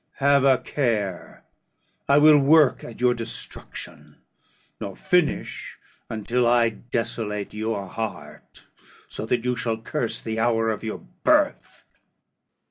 Have a care: I will work at your destruction, nor finish until I desolate your heart, so that you shall curse the hour of your birth."